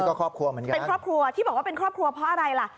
เป็นครอบครัวที่บอกว่าเป็นครอบครัวเพราะอะไรล่ะ